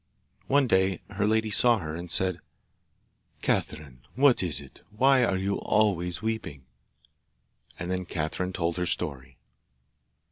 One day her lady saw her, and said, 'Catherine, what is it? Why are you always weeping?' And then Catherine told her story.